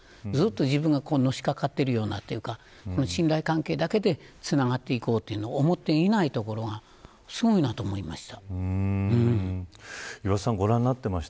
自分がのしかかっているというか信頼関係でつながっていこうと思っていないところが素晴らしいと思いました。